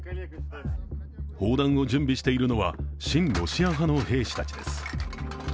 砲弾を準備しているのは親ロシア派の兵士たちです。